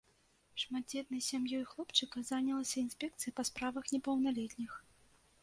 Шматдзетнай сям'ёй хлопчыка занялася інспекцыя па справах непаўналетніх.